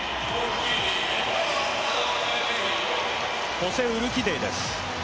ホセ・ウルキディです。